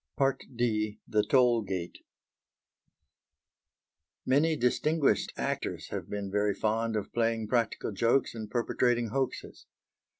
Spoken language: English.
D. THE TOLL GATE Many distinguished actors have been very fond of playing practical jokes and perpetrating hoaxes.